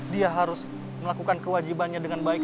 dia harus melakukan kewajibannya dengan baik